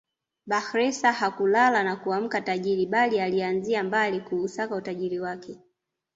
Bakhresa hakulala na kuamka tajiri bali alianzia mbali kuusaka utajiri wake